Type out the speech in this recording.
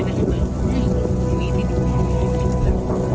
และที่ที่เก็บโลกนี้